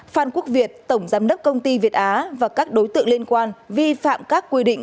phan quốc việt tổng giám đốc công ty việt á và các đối tượng liên quan vi phạm các quy định